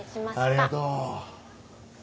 ありがとう。